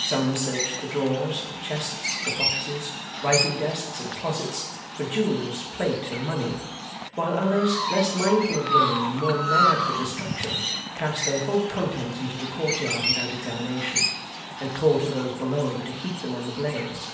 Some searched the drawers, the chests, the boxes, writing desks, and closets, for jewels, plate, and money; while others, less mindful of gain and more mad for destruction, cast their whole contents into the courtyard without examination, and called to those below, to heap them on the blaze.